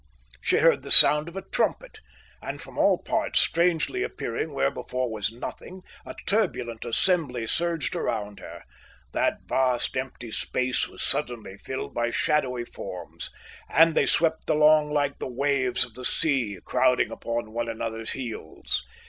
She heard the sound of a trumpet, and from all parts, strangely appearing where before was nothing, a turbulent assembly surged about her. That vast empty space was suddenly filled by shadowy forms, and they swept along like the waves of the sea, crowding upon one another's heels.